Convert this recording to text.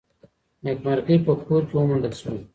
نېکمرغي په کور کي وموندل سوه.